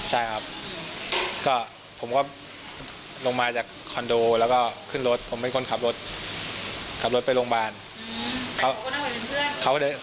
ใช่ครับก็ผมก็ลงมาจากคอนโดแล้วก็ขึ้นรถผมเป็นคนขับรถขับรถไปโรงพยาบาล